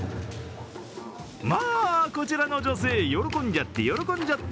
まぁ、こちらの女性、喜んじゃって、喜んじゃって。